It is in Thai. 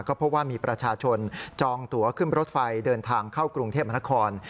ก็พบว่ามีประชาชนจองตัวขึ้นรถไฟเดินทางเข้ากรุงเทพมนคร